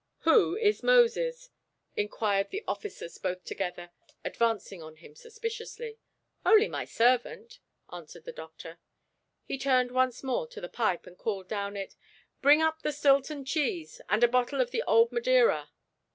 "Who is Moses?" inquired the officers both together, advancing on him suspiciously. "Only my servant," answered the doctor. He turned once more to the pipe, and called down it: "Bring up the Stilton Cheese, and a bottle of the Old Madeira."